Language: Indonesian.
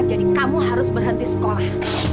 jadi kamu harus berhenti sekolah